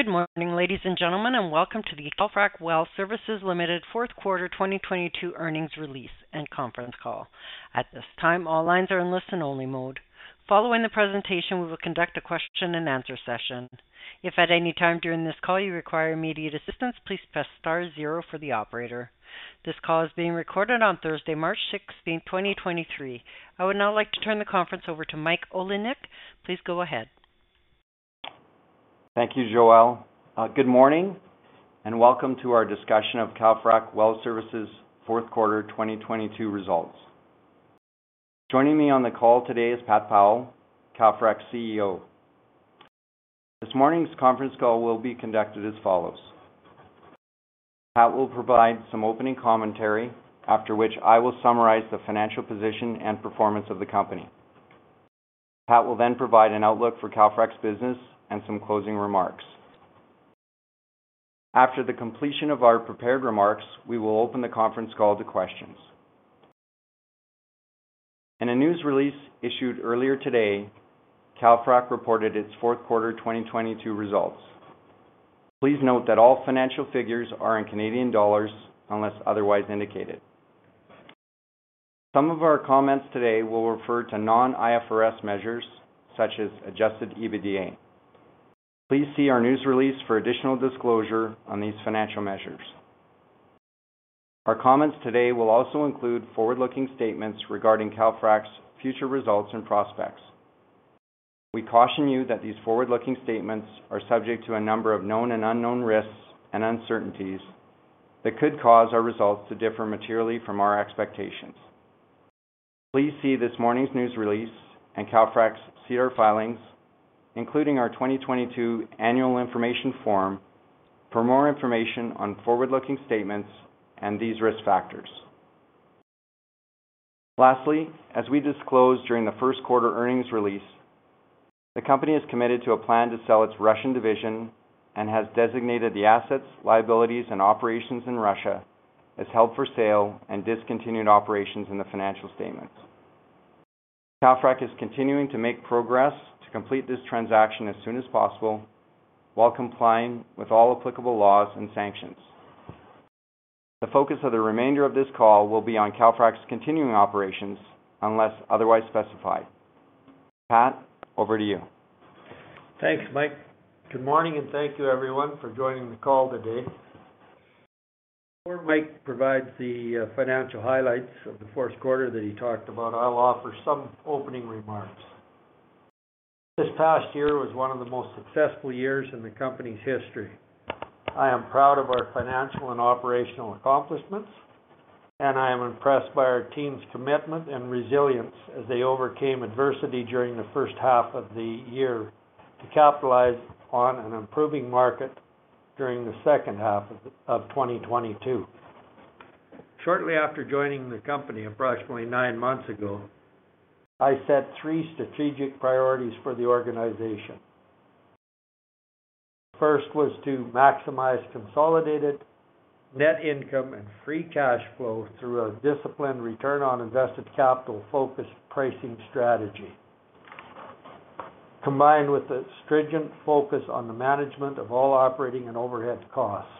Good morning, ladies and gentlemen, and welcome to the Calfrac Well Services Ltd. fourth quarter 2022 earnings release and conference call. At this time, all lines are in listen-only mode. Following the presentation, we will conduct a question-and-answer session. At any time during this call you require immediate assistance, please press star zero for the operator. This call is being recorded on Thursday, March 16th, 2023. I would now like to turn the conference over to Mike Olinek. Please go ahead. Thank you, Joelle. Good morning, and welcome to our discussion of Calfrac Well Services fourth quarter 2022 results. Joining me on the call today is Pat Powell, Calfrac's CEO. This morning's conference call will be conducted as follows. Pat will provide some opening commentary, after which I will summarize the financial position and performance of the company. Pat will then provide an outlook for Calfrac's business and some closing remarks. After the completion of our prepared remarks, we will open the conference call to questions. In a news release issued earlier today, Calfrac reported its fourth quarter 2022 results. Please note that all financial figures are in CAD unless otherwise indicated. Some of our comments today will refer to non-IFRS measures such as Adjusted EBITDA. Please see our news release for additional disclosure on these financial measures. Our comments today will also include forward-looking statements regarding Calfrac's future results and prospects. We caution you that these forward-looking statements are subject to a number of known and unknown risks and uncertainties that could cause our results to differ materially from our expectations. Please see this morning's news release and Calfrac's SEDAR filings, including our 2022 Annual Information Form, for more information on forward-looking statements and these risk factors. Lastly, as we disclosed during the first quarter earnings release, the company is committed to a plan to sell its Russian division and has designated the assets, liabilities, and operations in Russia as held for sale and discontinued operations in the financial statements. Calfrac is continuing to make progress to complete this transaction as soon as possible while complying with all applicable laws and sanctions. The focus of the remainder of this call will be on Calfrac's continuing operations unless otherwise specified. Pat, over to you. Thanks, Mike. Good morning, and thank you everyone for joining the call today. Before Mike provides the financial highlights of the fourth quarter that he talked about, I'll offer some opening remarks. This past year was one of the most successful years in the company's history. I am proud of our financial and operational accomplishments, and I am impressed by our team's commitment and resilience as they overcame adversity during the first half of the year to capitalize on an improving market during the second half of 2022. Shortly after joining the company approximately nine months ago, I set three strategic priorities for the organization. First was to maximize consolidated net income and free cash flow through a disciplined return on invested capital focused pricing strategy, combined with a stringent focus on the management of all operating and overhead costs.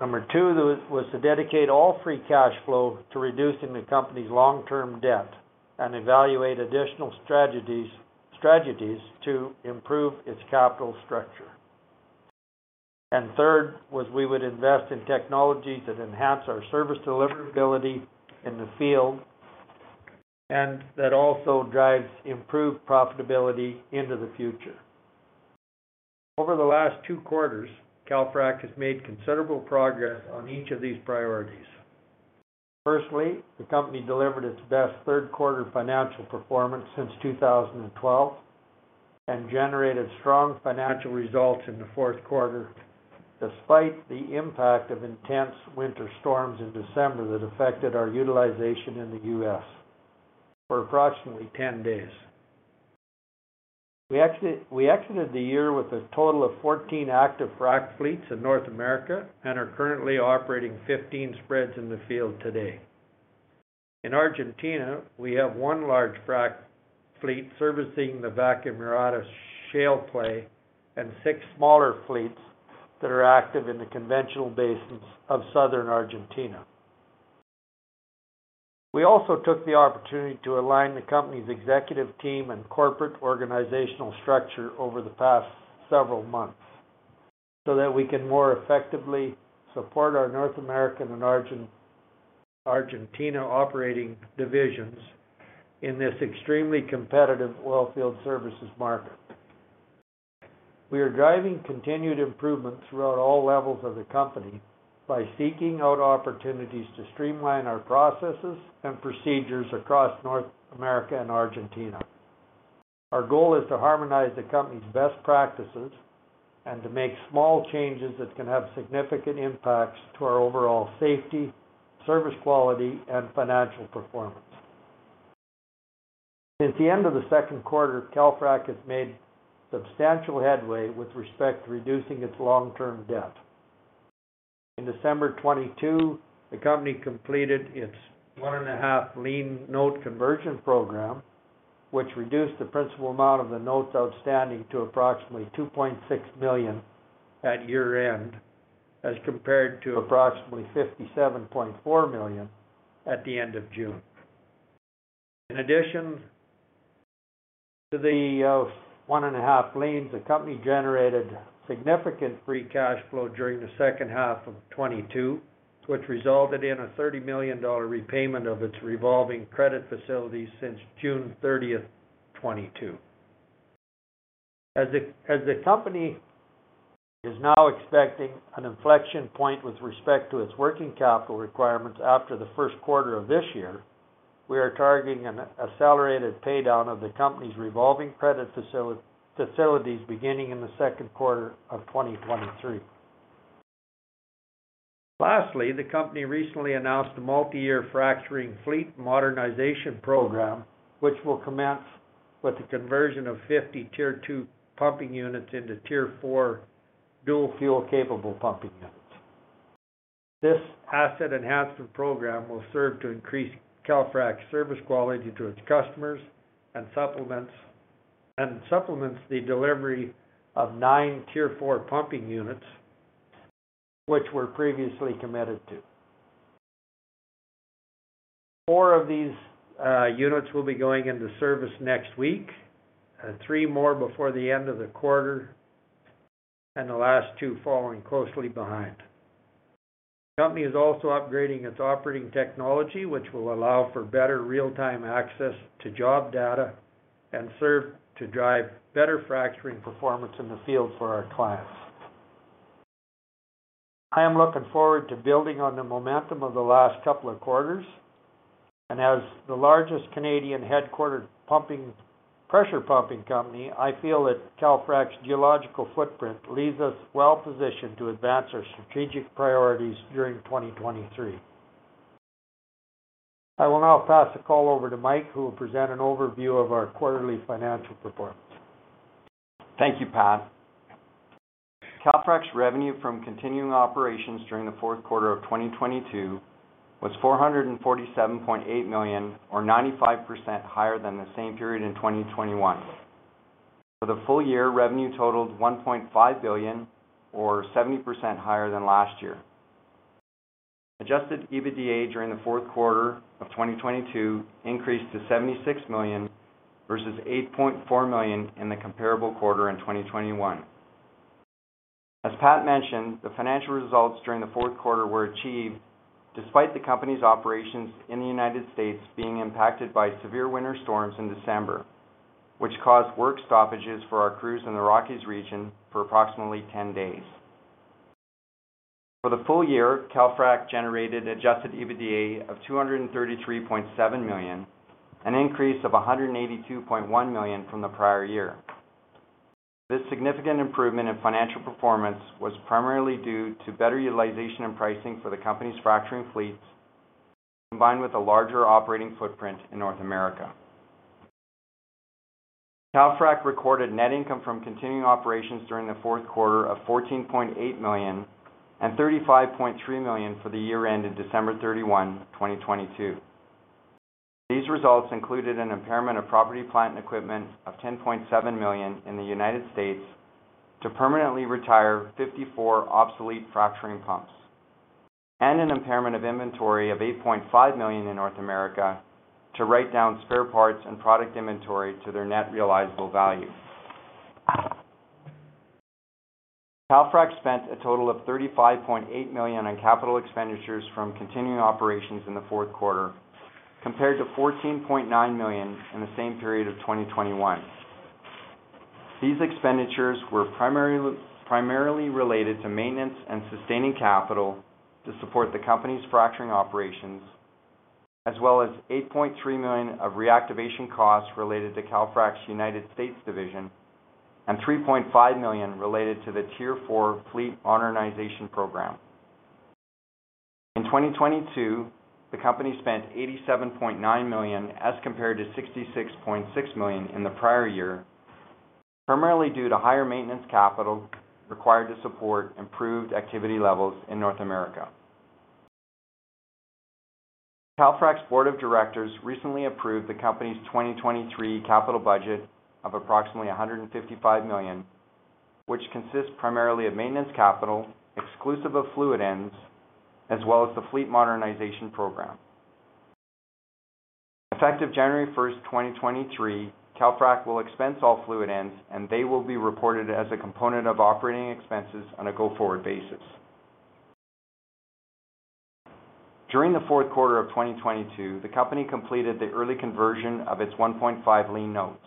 Number two was to dedicate all free cash flow to reducing the company's long-term debt and evaluate additional strategies to improve its capital structure. Third was we would invest in technology that enhance our service deliverability in the field and that also drives improved profitability into the future. Over the last two quarters, Calfrac has made considerable progress on each of these priorities. Firstly, the company delivered its best third quarter financial performance since 2012 and generated strong financial results in the fourth quarter, despite the impact of intense winter storms in December that affected our utilization in the US for approximately 10 days. We exited the year with a total of 14 active frac fleets in North America and are currently operating 15 spreads in the field today. In Argentina, we have one large frac fleet servicing the Vaca Muerta shale play and six smaller fleets that are active in the conventional basins of southern Argentina. We also took the opportunity to align the company's executive team and corporate organizational structure over the past several months so that we can more effectively support our North American and Argentina operating divisions in this extremely competitive oilfield services market. We are driving continued improvement throughout all levels of the company by seeking out opportunities to streamline our processes and procedures across North America and Argentina. Our goal is to harmonize the company's best practices and to make small changes that can have significant impacts to our overall safety, service quality, and financial performance. Since the end of the second quarter, Calfrac has made substantial headway with respect to reducing its long-term debt. In December 2022, the company completed its one and a half Lien Notes conversion program, which reduced the principal amount of the notes outstanding to approximately 2.6 million at year-end, as compared to approximately 57.4 million at the end of June. In addition to the 1.5 Lien Notes, the company generated significant free cash flow during the second half of 2022, which resulted in a 30 million dollar repayment of its revolving credit facility since June 30th, 2022. As the company is now expecting an inflection point with respect to its working capital requirements after the first quarter of this year, we are targeting an accelerated pay down of the company's revolving credit facilities beginning in the second quarter of 2023. Lastly, the company recently announced a multi-year fracturing fleet modernization program, which will commence with the conversion of 50 Tier two pumping units into Tier four dual fuel-capable pumping units. This asset enhancement program will serve to increase Calfrac's service quality to its customers and supplements the delivery of nine Tier four pumping units, which were previously committed to. Four of these units will be going into service next week, three more before the end of the quarter, the last two following closely behind. The company is also upgrading its operating technology, which will allow for better real-time access to job data and serve to drive better fracturing performance in the field for our clients. I am looking forward to building on the momentum of the last couple of quarters, and as the largest Canadian headquartered pressure pumping company, I feel that Calfrac's geological footprint leaves us well positioned to advance our strategic priorities during 2023. I will now pass the call over to Mike, who will present an overview of our quarterly financial performance. Thank you, Pat. Calfrac's revenue from continuing operations during the fourth quarter of 2022 was 447.8 million or 95% higher than the same period in 2021. For the full year, revenue totaled 1.5 billion or 70% higher than last year. Adjusted EBITDA during the fourth quarter of 2022 increased to 76 million versus 8.4 million in the comparable quarter in 2021. As Pat mentioned, the financial results during the fourth quarter were achieved despite the company's operations in the United States being impacted by severe winter storms in December, which caused work stoppages for our crews in the Rockies region for approximately 10 days. For the full year, Calfrac generated Adjusted EBITDA of 233.7 million, an increase of 182.1 million from the prior year. This significant improvement in financial performance was primarily due to better utilization and pricing for the company's fracturing fleets, combined with a larger operating footprint in North America. Calfrac recorded net income from continuing operations during the fourth quarter of 14.8 million and 35.3 million for the year end in December 31, 2022. These results included an impairment of property, plant, and equipment of 10.7 million in the United States to permanently retire 54 obsolete fracturing pumps, and an impairment of inventory of 8.5 million in North America to write down spare parts and product inventory to their net realizable value. Calfrac spent a total of 35.8 million in capital expenditures from continuing operations in the fourth quarter, compared to 14.9 million in the same period of 2021. These expenditures were primarily related to maintenance and sustaining capital to support the company's fracturing operations, as well as 8.3 million of reactivation costs related to Calfrac's United States division and 3.5 million related to the Tier four fleet modernization program. In 2022, the company spent 87.9 million as compared to 66.6 million in the prior year, primarily due to higher maintenance capital required to support improved activity levels in North America. Calfrac's board of directors recently approved the company's 2023 capital budget of approximately 155 million, which consists primarily of maintenance capital exclusive of fluid ends, as well as the fleet modernization program. Effective January 1st, 2023, Calfrac will expense all fluid ends. They will be reported as a component of operating expenses on a go-forward basis. During the fourth quarter of 2022, the company completed the early conversion of its 1.5 Lien Notes.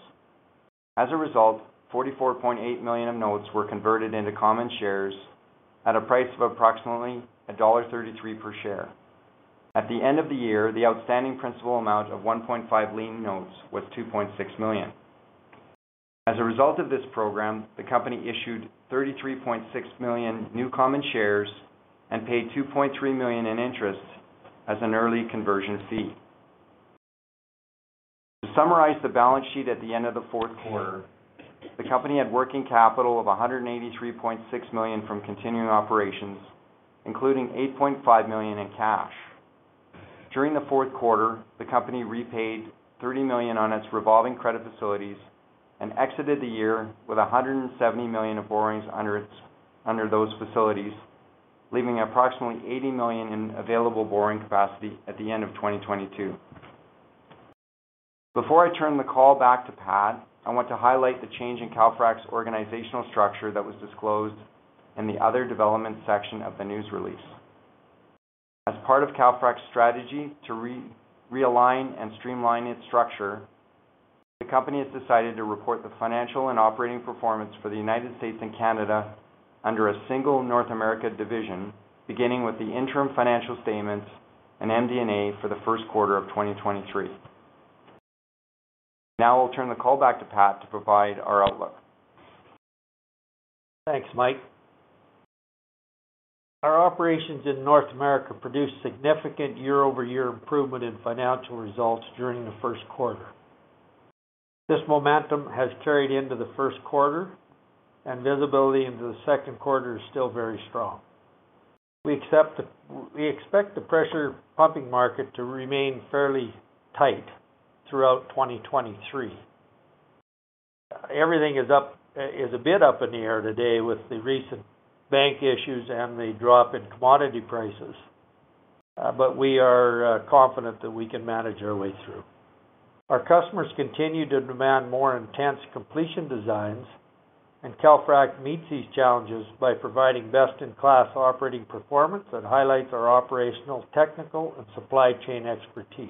Result, 44.8 million of notes were converted into common shares at a price of approximately dollar 1.33 per share. At the end of the year, the outstanding principal amount of 1.5 Lien Notes was 2.6 million. Result of this program, the company issued 33.6 million new common shares and paid 2.3 million in interest as an early conversion fee. To summarize the balance sheet at the end of the fourth quarter, the company had working capital of 183.6 million from continuing operations, including 8.5 million in cash. During the fourth quarter, the company repaid 30 million on its revolving credit facilities and exited the year with 170 million of borrowings under those facilities, leaving approximately 80 million in available borrowing capacity at the end of 2022. Before I turn the call back to Pat, I want to highlight the change in Calfrac's organizational structure that was disclosed in the other development section of the news release. As part of Calfrac's strategy to realign and streamline its structure, the company has decided to report the financial and operating performance for the United States and Canada under a single North America division, beginning with the interim financial statements and MD&A for the first quarter of 2023. I'll turn the call back to Pat to provide our outlook. Thanks, Mike. Our operations in North America produced significant year-over-year improvement in financial results during the first quarter. This momentum has carried into the first quarter, visibility into the second quarter is still very strong. We expect the pressure pumping market to remain fairly tight throughout 2023. Everything is up, is a bit up in the air today with the recent bank issues and the drop in commodity prices. We are confident that we can manage our way through. Our customers continue to demand more intense completion designs, Calfrac meets these challenges by providing best-in-class operating performance that highlights our operational, technical, and supply chain expertise.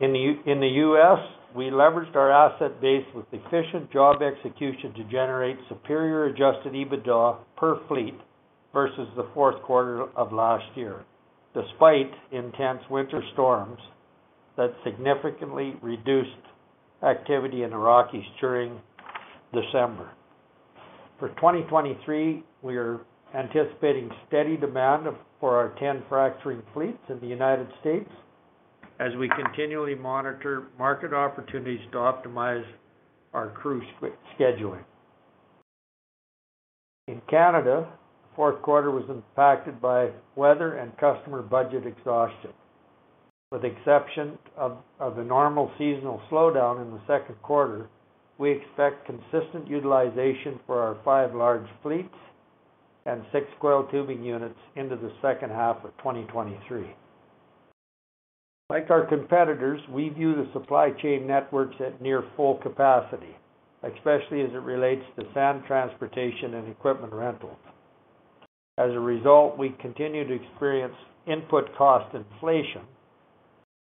In the US, we leveraged our asset base with efficient job execution to generate superior Adjusted EBITDA per fleet versus the fourth quarter of last year, despite intense winter storms that significantly reduced activity in the Rockies during December. For 2023, we are anticipating steady demand for our 10 fracturing fleets in the United States as we continually monitor market opportunities to optimize our crew scheduling. In Canada, fourth quarter was impacted by weather and customer budget exhaustion. With exception of the normal seasonal slowdown in the second quarter, we expect consistent utilization for our five large fleets and six coiled tubing units into the second half of 2023. Like our competitors, we view the supply chain networks at near full capacity, especially as it relates to sand transportation and equipment rentals. As a result, we continue to experience input cost inflation,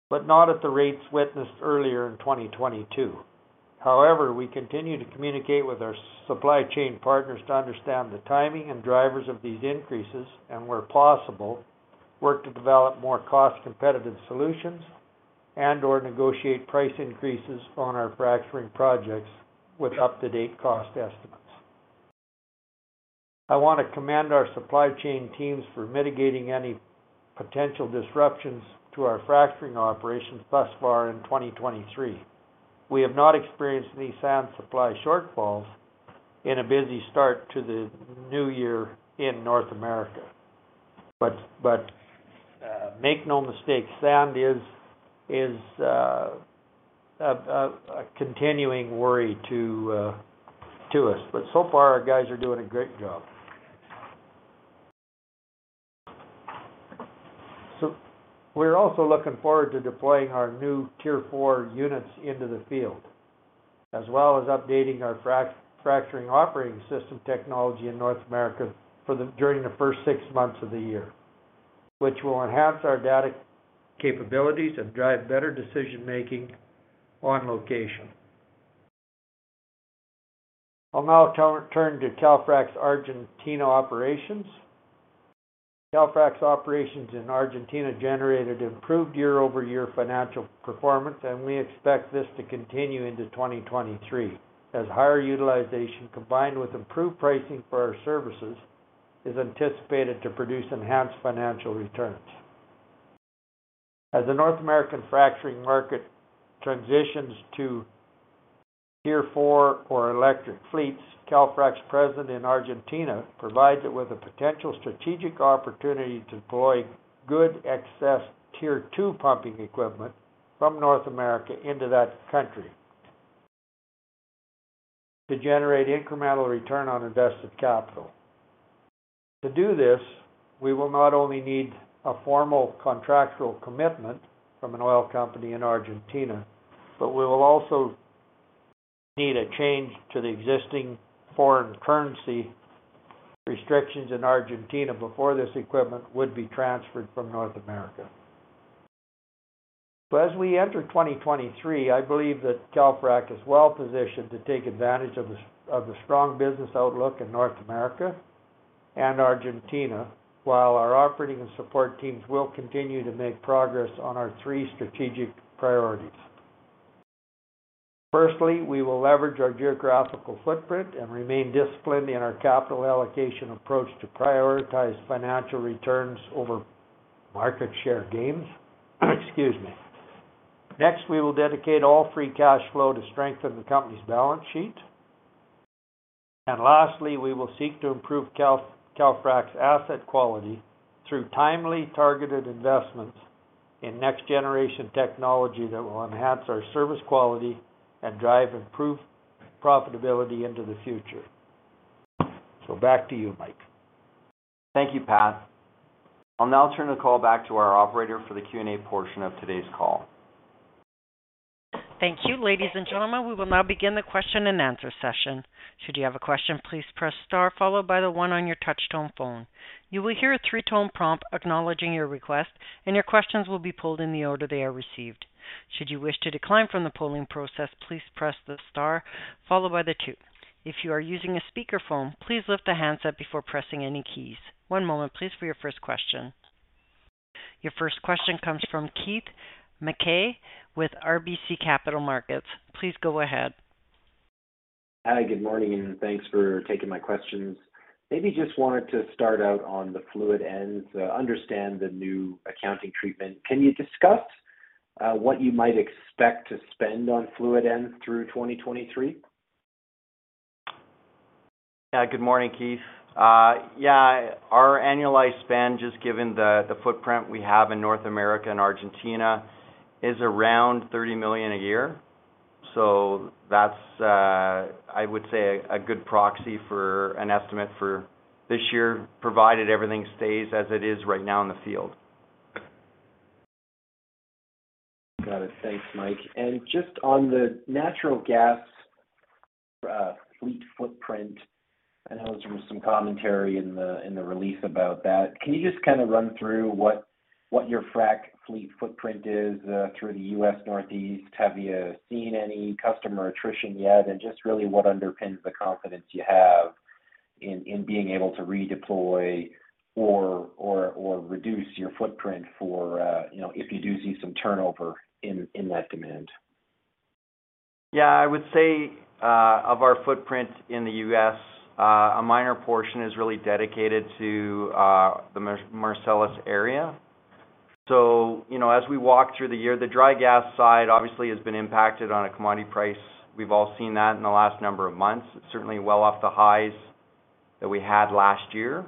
but not at the rates witnessed earlier in 2022. However, we continue to communicate with our supply chain partners to understand the timing and drivers of these increases and, where possible, work to develop more cost-competitive solutions and/or negotiate price increases on our fracturing projects with up-to-date cost estimates. I wanna commend our supply chain teams for mitigating any potential disruptions to our fracturing operations thus far in 2023. We have not experienced any sand supply shortfalls in a busy start to the new year in North America. Make no mistake, sand is a continuing worry to us. So far, our guys are doing a great job. We're also looking forward to deploying our new Tier four units into the field, as well as updating our fracturing operating system technology in North America during the first six months of the year, which will enhance our data capabilities and drive better decision-making on location. I'll now turn to Calfrac's Argentina operations. Calfrac's operations in Argentina generated improved year-over-year financial performance, and we expect this to continue into 2023, as higher utilization combined with improved pricing for our services is anticipated to produce enhanced financial returns. As the North American fracturing market transitions to Tier four or electric fleets, Calfrac's presence in Argentina provides it with a potential strategic opportunity to deploy good excess Tier two pumping equipment from North America into that country to generate incremental return on invested capital. To do this, we will not only need a formal contractual commitment from an oil company in Argentina, but we will also need a change to the existing foreign currency restrictions in Argentina before this equipment would be transferred from North America. As we enter 2023, I believe that Calfrac is well-positioned to take advantage of the strong business outlook in North America and Argentina, while our operating and support teams will continue to make progress on our three strategic priorities. Firstly, we will leverage our geographical footprint and remain disciplined in our capital allocation approach to prioritize financial returns over market share gains. Excuse me. Next, we will dedicate all free cash flow to strengthen the company's balance sheet. Lastly, we will seek to improve Calfrac's asset quality through timely targeted investments in next generation technology that will enhance our service quality and drive improved profitability into the future. Back to you, Mike. Thank you, Pat. I'll now turn the call back to our operator for the Q&A portion of today's call. Thank you. Ladies and gentlemen, we will now begin the question-and-answer session. Should you have a question, please press star followed by the one on your touch tone phone. You will hear a three tone prompt acknowledging your request, and your questions will be pulled in the order they are received. Should you wish to decline from the polling process, please press the star followed by the two. If you are using a speakerphone, please lift the handset before pressing any keys. One moment please for your first question. Your first question comes from Keith Mackey with RBC Capital Markets. Please go ahead. Hi, good morning, and thanks for taking my questions. Maybe just wanted to start out on the fluid ends, understand the new accounting treatment. Can you discuss what you might expect to spend on fluid ends through 2023? Good morning, Keith. Yeah, our annualized spend, just given the footprint we have in North America and Argentina, is around 30 million a year. That's, I would say a good proxy for an estimate for this year, provided everything stays as it is right now in the field. Got it. Thanks, Mike. Just on the natural gas fleet footprint, I know there was some commentary in the release about that. Can you just kind of run through what your frac fleet footprint is through the U.S. Northeast? Have you seen any customer attrition yet? Just really what underpins the confidence you have in being able to redeploy or reduce your footprint for, you know, if you do see some turnover in that demand? I would say, of our footprint in the U.S., a minor portion is really dedicated to the Marcellus area. you know, as we walk through the year, the dry gas side obviously has been impacted on a commodity price. We've all seen that in the last number of months. It's certainly well off the highs that we had last year.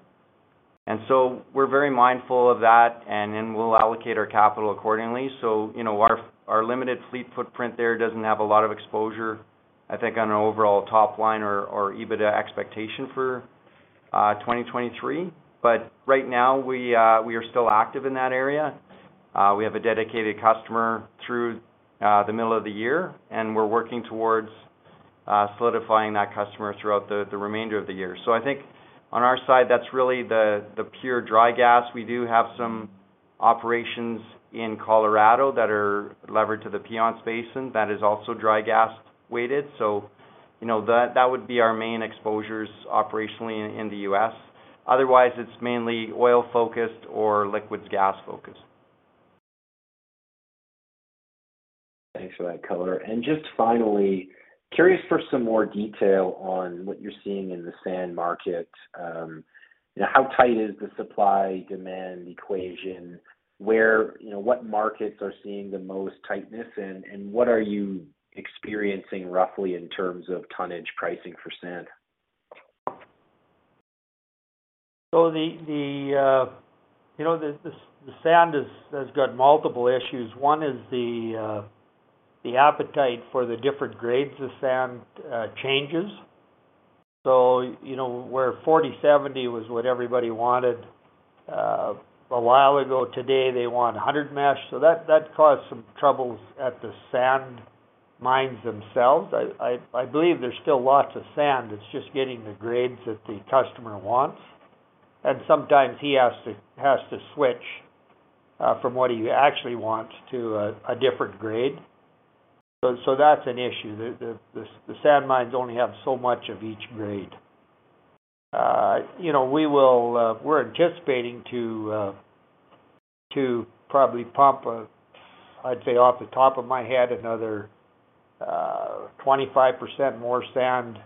We're very mindful of that, we'll allocate our capital accordingly. you know, our limited fleet footprint there doesn't have a lot of exposure, I think, on an overall top line or EBITDA expectation for 2023. Right now, we are still active in that area. We have a dedicated customer through the middle of the year, and we're working towards solidifying that customer throughout the remainder of the year. I think on our side, that's really the pure dry gas. We do have some operations in Colorado that are levered to the Piceance Basin that is also dry gas weighted. You know, that would be our main exposures operationally in the U.S. Otherwise, it's mainly oil-focused or liquids gas-focused. Thanks for that color. Just finally, curious for some more detail on what you're seeing in the sand market. How tight is the supply-demand equation? You know, what markets are seeing the most tightness? What are you experiencing roughly in terms of tonnage pricing for sand? The, you know, the sand has got multiple issues. One is the appetite for the different grades of sand changes. You know, where 40/70 was what everybody wanted a while ago, today they want a 100 mesh. That caused some troubles at the sand mines themselves. I believe there's still lots of sand. It's just getting the grades that the customer wants. Sometimes he has to switch from what he actually wants to a different grade. That's an issue. The sand mines only have so much of each grade. You know, we're anticipating to probably pump, I'd say off the top of my head, another 25% more sand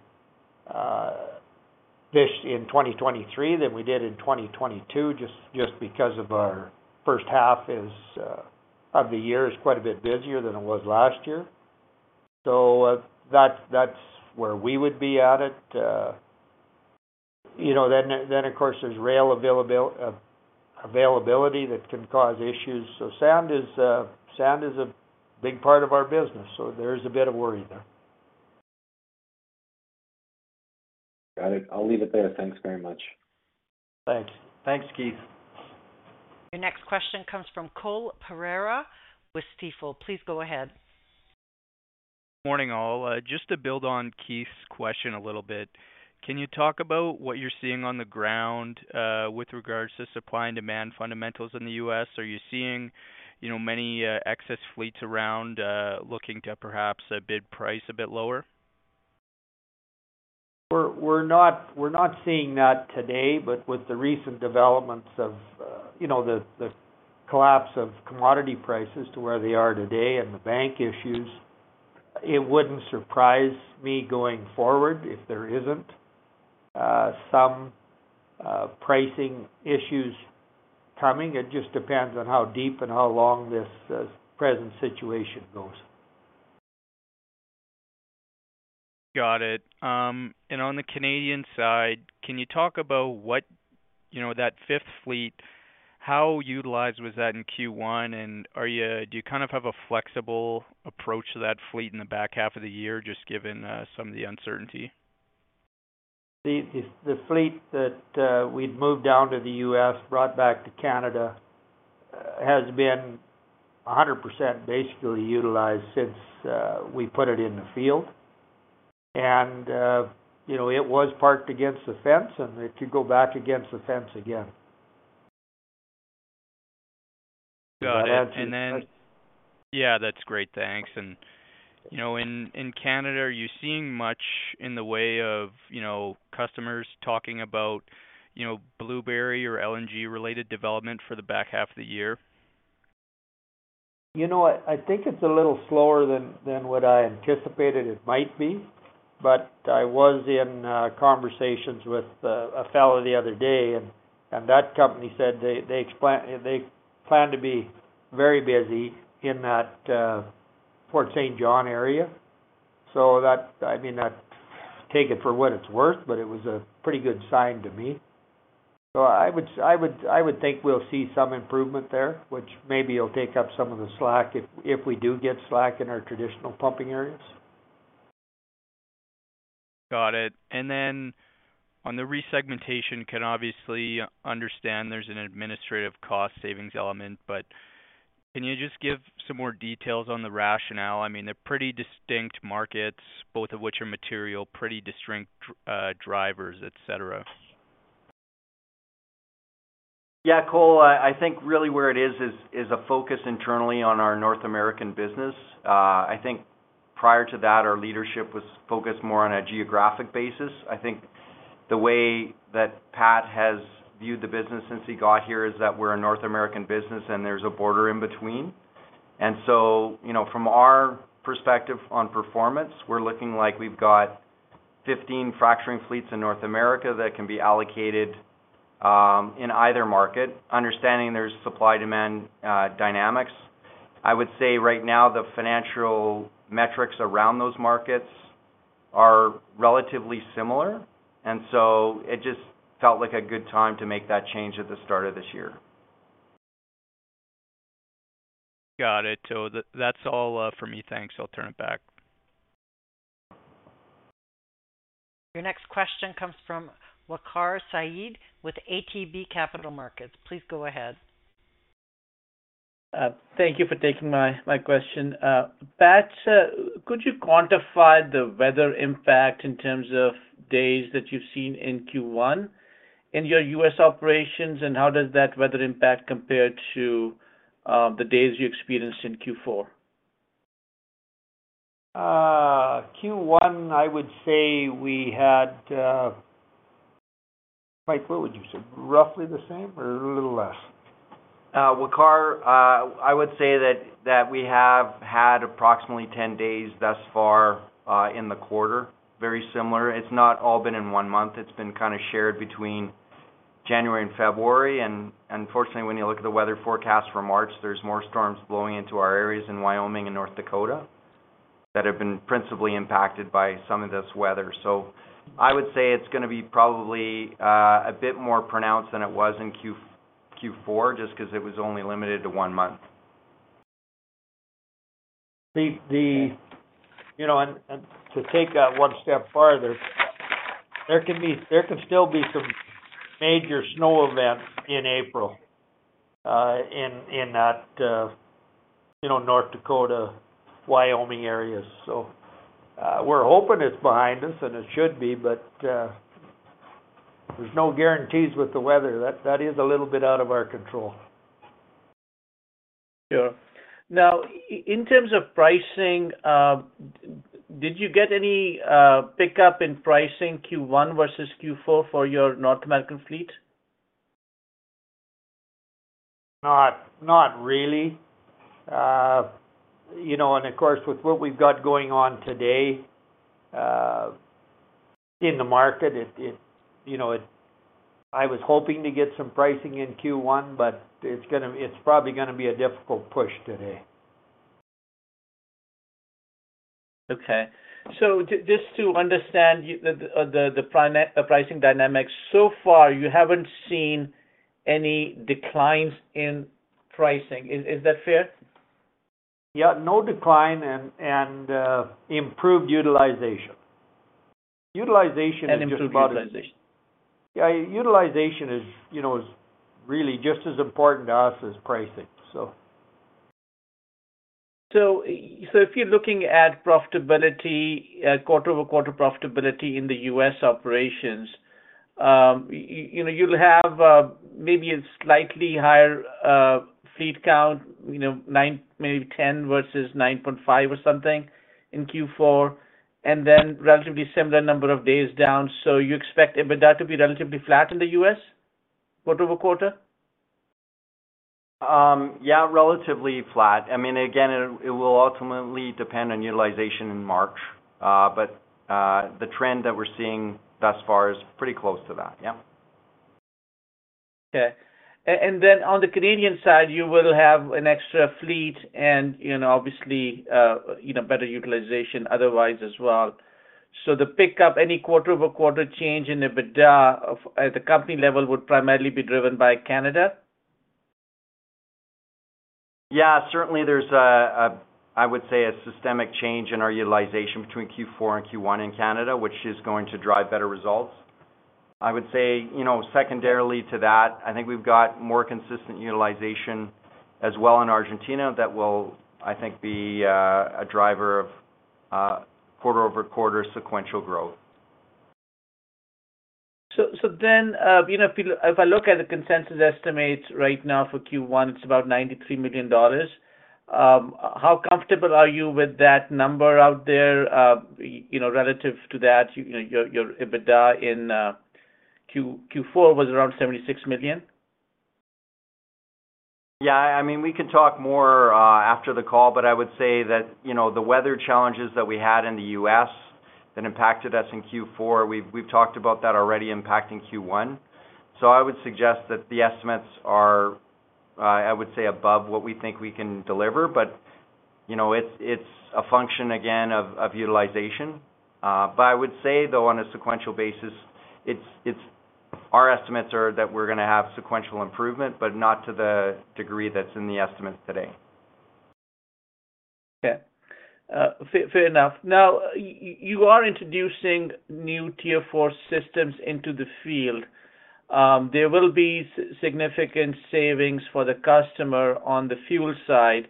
in 2023 than we did in 2022, just because of our first half of the year is quite a bit busier than it was last year. That's where we would be at it. You know, then of course there's rail availability that can cause issues. Sand is a big part of our business, so there is a bit of worry there. Got it. I'll leave it there. Thanks very much. Thanks. Thanks, Keith. Your next question comes from Cole Pereira with Stifel. Please go ahead. Morning, all. Just to build on Keith's question a little bit. Can you talk about what you're seeing on the ground, with regards to supply and demand fundamentals in the U.S.? Are you seeing, you know, many, excess fleets around, looking to perhaps bid price a bit lower? We're not seeing that today, but with the recent developments of, you know, the collapse of commodity prices to where they are today and the bank issues, it wouldn't surprise me going forward if there isn't some pricing issues coming. It just depends on how deep and how long this present situation goes. Got it. On the Canadian side, can you talk about what, you know, that fifth fleet, how utilized was that in Q1? Do you kind of have a flexible approach to that fleet in the back half of the year, just given some of the uncertainty? The fleet that we'd moved down to the US, brought back to Canada has been 100% basically utilized since we put it in the field. You know, it was parked against the fence, and it could go back against the fence again. Got it. If that answers. Yeah, that's great. Thanks. You know, in Canada, are you seeing much in the way of, you know, customers talking about, you know, Blueberry or LNG-related development for the back half of the year? You know what? I think it's a little slower than what I anticipated it might be. I was in conversations with a fellow the other day, and that company said they plan to be very busy in that Fort St. John area. I mean, that, take it for what it's worth, but it was a pretty good sign to me. I would think we'll see some improvement there, which maybe it'll take up some of the slack if we do get slack in our traditional pumping areas. Got it. On the resegmentation, can obviously understand there's an administrative cost savings element, but can you just give some more details on the rationale? I mean, they're pretty distinct markets, both of which are material, pretty distinct drivers, et cetera. Yeah, Cole, I think really where it is a focus internally on our North American business. I think prior to that, our leadership was focused more on a geographic basis. I think the way that Pat has viewed the business since he got here is that we're a North American business and there's a border in between. You know, from our perspective on performance, we're looking like we've got 15 fracturing fleets in North America that can be allocated in either market, understanding there's supply-demand dynamics. I would say right now, the financial metrics around those markets are relatively similar. It just felt like a good time to make that change at the start of this year. Got it. That's all from me. Thanks. I'll turn it back. Your next question comes from Waqar Syed with ATB Capital Markets. Please go ahead. Thank you for taking my question. Pat, could you quantify the weather impact in terms of days that you've seen in Q1 in your U.S. operations, and how does that weather impact compare to the days you experienced in Q4? Q1, I would say we had, Mike, what would you say? Roughly the same or a little less? Waqar, I would say that we have had approximately 10 days thus far in the quarter, very similar. It's not all been in one month. It's been kind of shared between January and February. Unfortunately, when you look at the weather forecast for March, there's more storms blowing into our areas in Wyoming and North Dakota that have been principally impacted by some of this weather. I would say it's gonna be probably a bit more pronounced than it was in Q4, just 'cause it was only limited to one month. You know, and to take that one step further, there can still be some major snow events in April, in that, you know, North Dakota, Wyoming areas. We're hoping it's behind us, and it should be, but there's no guarantees with the weather. That is a little bit out of our control. Sure. Now, in terms of pricing, did you get any pickup in pricing Q1 versus Q4 for your North American fleet? Not, not really. You know, of course, with what we've got going on today in the market, you know, I was hoping to get some pricing in Q1, but it's probably gonna be a difficult push today. Okay. just to understand the pricing dynamics, so far, you haven't seen any declines in pricing. Is that fair? Yeah, no decline and improved utilization. Utilization is just about. Improved utilization. Yeah. Utilization is, you know, is really just as important to us as pricing, so. If you're looking at profitability, quarter-over-quarter profitability in the U.S. operations, you know, you'll have maybe a slightly higher fleet count, you know, 10 versus 9.5 or something in Q4, and then relatively similar number of days down. You expect EBITDA to be relatively flat in the U.S. quarter-over-quarter? Yeah, relatively flat. I mean, again, it will ultimately depend on utilization in March. The trend that we're seeing thus far is pretty close to that. Yeah. Okay. And then on the Canadian side, you will have an extra fleet and, you know, obviously, you know, better utilization otherwise as well. The pickup, any quarter-over-quarter change in EBITDA at the company level would primarily be driven by Canada? Yeah, certainly there's a, I would say, a systemic change in our utilization between Q4 and Q1 in Canada, which is going to drive better results. I would say, you know, secondarily to that, I think we've got more consistent utilization as well in Argentina that will, I think, be a driver of quarter-over-quarter sequential growth. You know, if I look at the consensus estimates right now for Q1, it's about 93 million dollars. How comfortable are you with that number out there, you know, relative to that, you know, your EBITDA in Q4 was around 76 million? Yeah, I mean, we can talk more after the call, but I would say that, you know, the weather challenges that we had in the U.S. that impacted us in Q4, we've talked about that already impacting Q1. I would suggest that the estimates are, I would say above what we think we can deliver. You know, it's a function again of utilization. I would say though, on a sequential basis, it's our estimates are that we're gonna have sequential improvement, but not to the degree that's in the estimates today. Okay. fair enough. Now, you are introducing new Tier four systems into the field. There will be significant savings for the customer on the fuel side.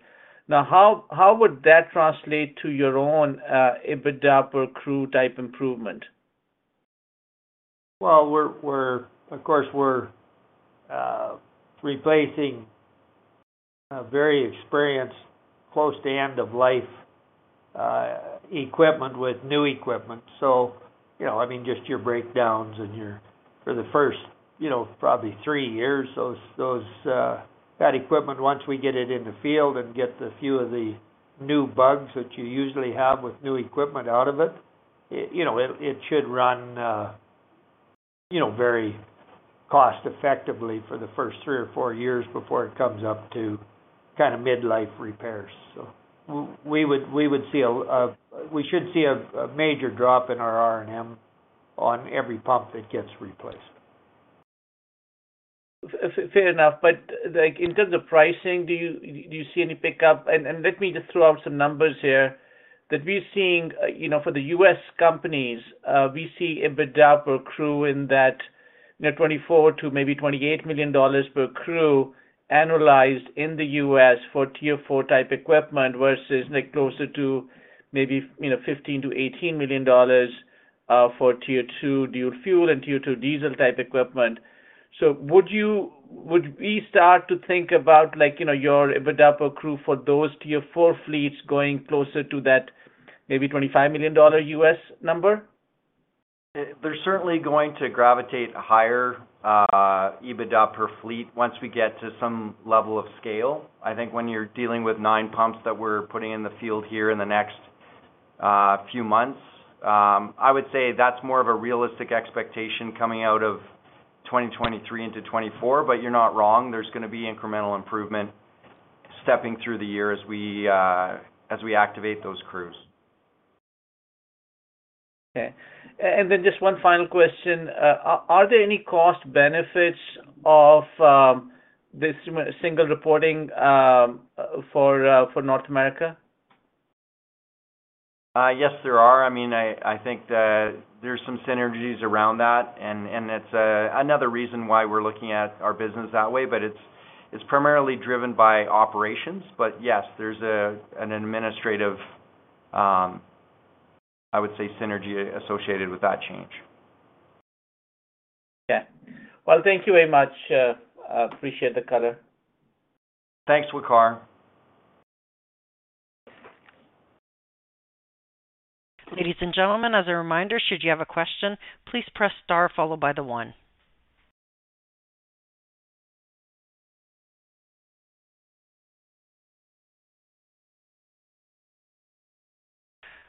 Now, how would that translate to your own EBITDA per crew type improvement? Well, we're of course, we're replacing a very experienced close to end of life equipment with new equipment. You know, I mean, just your breakdowns and for the first, you know, probably three years, that equipment once we get it in the field and get the few of the new bugs that you usually have with new equipment out of it, you know, it should run, you know, very cost effectively for the first three or four years before it comes up to kinda mid-life repairs. We would see a, we should see a major drop in our R&M on every pump that gets replaced. Fair enough. Like, in terms of pricing, do you, do you see any pickup? Let me just throw out some numbers here that we're seeing, you know, for the US companies, we see EBITDA per crew in that, you know, $24 million-$28 million per crew annualized in the US for Tier four type equipment versus like closer to maybe, you know, $15 million-$18 million for Tier two dual fuel and Tier two diesel type equipment. Would we start to think about like, you know, your EBITDA per crew for those Tier four fleets going closer to that maybe $25 million US number? They're certainly going to gravitate higher, EBITDA per fleet once we get to some level of scale. I think when you're dealing with nine pumps that we're putting in the field here in the next few months, I would say that's more of a realistic expectation coming out of 2023 into 2024. You're not wrong, there's gonna be incremental improvement stepping through the year as we activate those crews. Okay. Just one final question. Are there any cost benefits of this single reporting for North America? Yes, there are. I mean, I think that there's some synergies around that, and it's another reason why we're looking at our business that way. It's primarily driven by operations. Yes, there's an administrative, I would say synergy associated with that change. Okay. Well, thank you very much. I appreciate the color. Thanks, Waqar. Ladies and gentlemen, as a reminder, should you have a question, please press star followed by the one.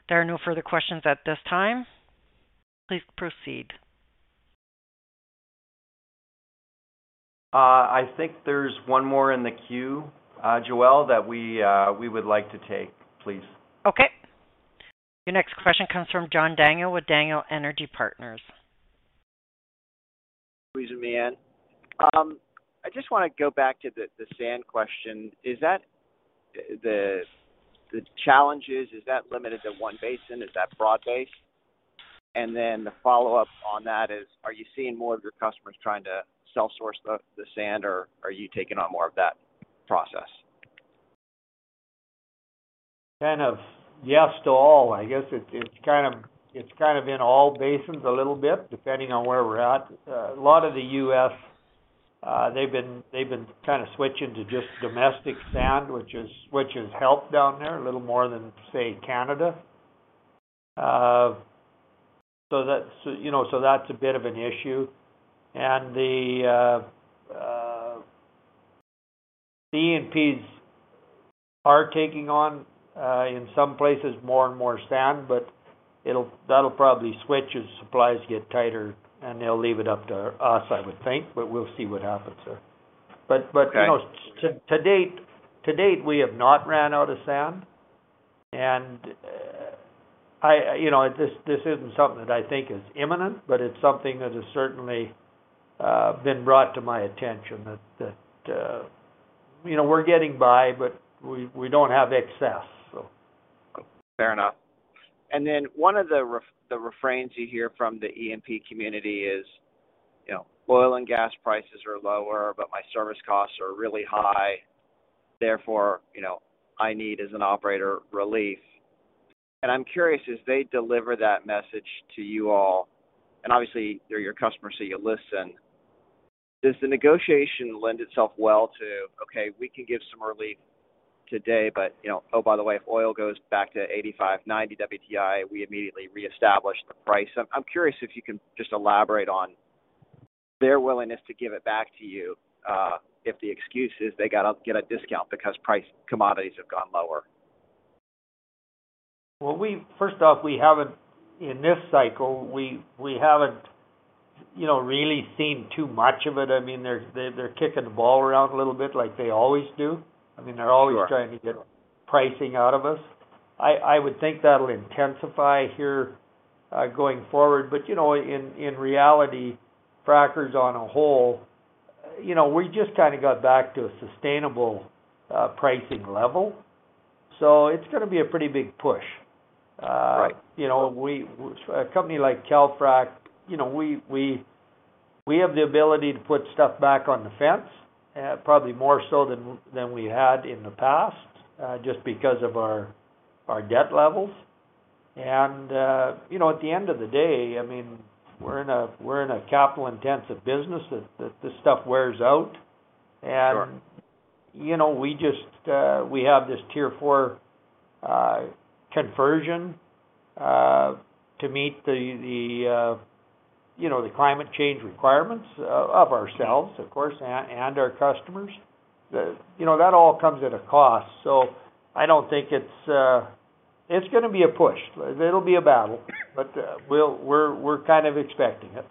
There are no further questions at this time. Please proceed. I think there's one more in the queue, Joelle, that we would like to take, please. Okay. Your next question comes from John Daniel with Daniel Energy Partners. I just wanna go back to the sand question. Is that the challenges, is that limited to one basin? Is that broad-based? The follow-up on that is, are you seeing more of your customers trying to self-source the sand, or are you taking on more of that process? Kind of yes to all. I guess it's kind of, it's kind of in all basins a little bit, depending on where we're at. A lot of the U.S., they've been kinda switching to just domestic sand, which has helped down there a little more than, say, Canada. So that's, you know, so that's a bit of an issue. The E&Ps are taking on in some places more and more sand, but that'll probably switch as supplies get tighter, and they'll leave it up to us, I would think. We'll see what happens there. But Okay you know, to date, we have not ran out of sand. I, you know, this isn't something that I think is imminent, but it's something that has certainly been brought to my attention that, you know, we're getting by, but we don't have excess. Fair enough. Then one of the refrains you hear from the E&P community is, you know, oil and gas prices are lower, but my service costs are really high. Therefore, you know, I need, as an operator, relief. I'm curious, as they deliver that message to you all, and obviously they're your customers, so you listen. Does the negotiation lend itself well to, "Okay, we can give some relief today, but, you know, oh, by the way, if oil goes back to $85, $90 WTI, we immediately reestablish the price." I'm curious if you can just elaborate on their willingness to give it back to you if the excuse is they gotta get a discount because price commodities have gone lower. Well, first off, we haven't. In this cycle, we haven't, you know, really seen too much of it. I mean, they're kicking the ball around a little bit like they always do. I mean, they're always. Sure... trying to get pricing out of us. I would think that'll intensify here, going forward. You know, in reality, frackers on a whole, you know, we just kinda got back to a sustainable, pricing level. It's going to be a pretty big push. Right. You know, A company like Calfrac, you know, we have the ability to put stuff back on the fence, probably more so than we had in the past, just because of our debt levels. You know, at the end of the day, I mean, we're in a capital-intensive business that this stuff wears out. Sure... you know, we just, we have this Tier four conversion to meet the, you know, the climate change requirements of ourselves, of course, and our customers. You know, that all comes at a cost. It's gonna be a push. It'll be a battle, but we're kind of expecting it.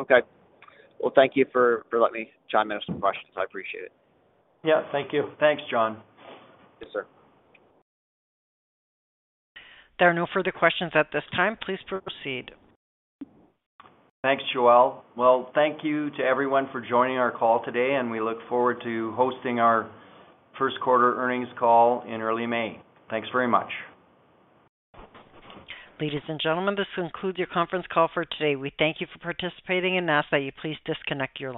Okay. Well, thank you for letting me chime in with some questions. I appreciate it. Yeah, thank you. Thanks, John. Yes, sir. There are no further questions at this time. Please proceed. Thanks, Joelle. Well, thank you to everyone for joining our call today. We look forward to hosting our first quarter earnings call in early May. Thanks very much. Ladies and gentlemen, this concludes your conference call for today. We thank you for participating and ask that you please disconnect your lines.